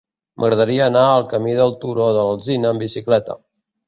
M'agradaria anar al camí del Turó de l'Alzina amb bicicleta.